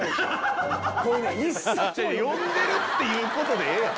読んでるってことでええやん。